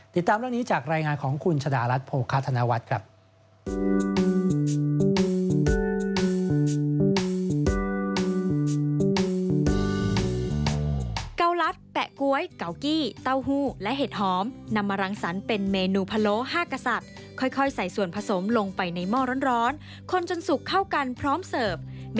ติดตามเรื่องนี้จากรายงานของคุณชะดารัฐโภคาธนวัฒน์ครับ